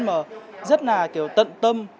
mà rất là kiểu tận tâm